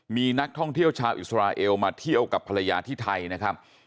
มีนักท่องเที่ยวชาวอิสราเอลมาเที่ยวกับภรรยาที่ไทยนะครับ